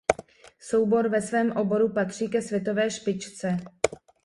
Soubor ve svém oboru patří ke světové špičce.